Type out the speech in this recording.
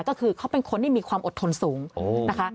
ก็คือเขาเป็นคนที่มีความอดทนสูงนะคะ